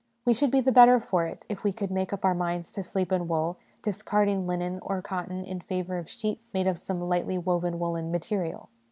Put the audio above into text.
We should be the better for it if we could make up our minds to sleep in wool, discarding linen or cotton in favour of sheets made of some lightly woven woollen material.